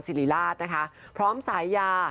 ศิริราชพร้อมสายยา